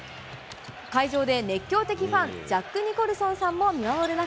会場で熱狂的ファン、ジャック・ニコルソンさんも見守る中、